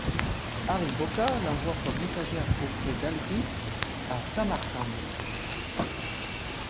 Ariq Boqa l’envoie comme messagère auprès d’Alghu, à Samarcande.